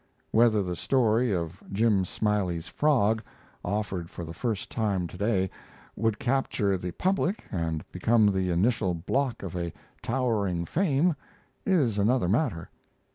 Whether the story of "Jim Smiley's Frog," offered for the first time today, would capture the public, and become the initial block of a towering fame, is another matter.